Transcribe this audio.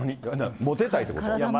モテたいってこと？